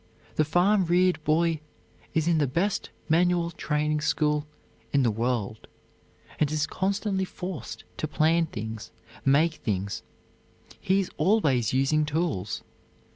The farm reared boy is in the best manual training school in the world and is constantly forced to plan things, make things; he is always using tools.